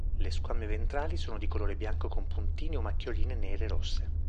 Le squame ventrali sono di colore bianco con puntini o macchioline nere e rosse.